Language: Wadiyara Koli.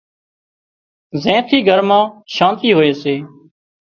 زين ٿِي گھر مان شانتي هوئي سي